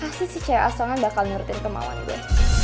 pasti si c a songan bakal ngertiin kemauan gue